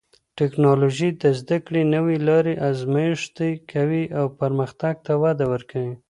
ټکنالوژي د زده کړې نوې لارې ازمېښتي کوي او پرمختګ ته وده ورکوي.